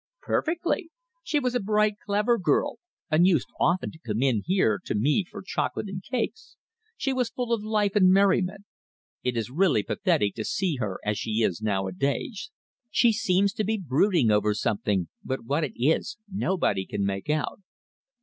"Perfectly. She was a bright clever girl, and used often to come in here to me for chocolate and cakes. She was full of life and merriment. It is really pathetic to see her as she is nowadays. She seems to be brooding over something, but what it is nobody can make out."